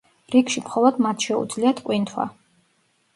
რიგში მხოლოდ მათ შეუძლიათ ყვინთვა.